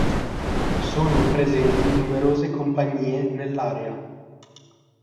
Sono presenti numerose compagnie nell'area.